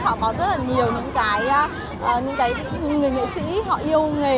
họ có rất là nhiều những cái những cái người nghệ sĩ họ yêu nghề